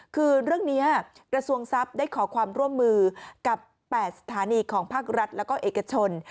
คือเรื่องนี้กระทรวงทรัพย์ได้ขอความร่วมมือกับ๘สถานีของภาครัฐแล้วก็เอกชน